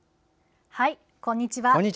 こんにちは。